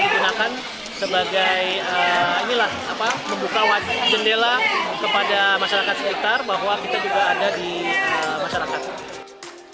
digunakan sebagai membuka jendela kepada masyarakat sekitar bahwa kita juga ada di masyarakat